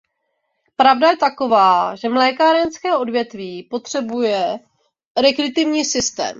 Pravda je taková, že mlékárenské odvětví potřebuje restriktivní systém.